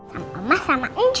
sama emah sama insh